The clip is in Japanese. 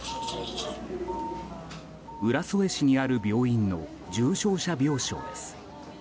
浦添市にある病院の重症者病床です。